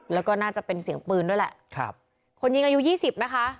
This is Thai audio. แล้วก็น่าจะเป็นเสียงปืนด้วยแหละครับคนยิงอายุยี่สิบนะคะ